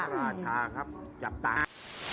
เสื้อพระยักษ์ราชาครับจับตา